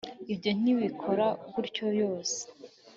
ibyo ntibikora gutyo yose